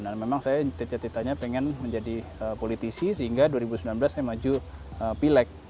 dan memang saya cita citanya pengen menjadi politisi sehingga dua ribu sembilan belas saya maju pileg